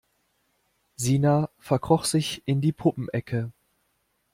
Sina verkroch sich in die Puppenecke.